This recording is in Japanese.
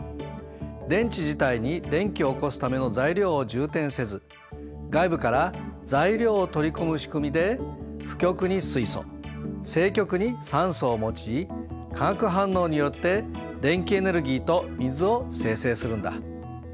電池自体に電気を起こすための材料を充填せず外部から材料を取り込むしくみで負極に水素正極に酸素を用い化学反応によって電気エネルギーと水を生成するんだ。